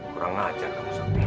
kurang ajar kamu satri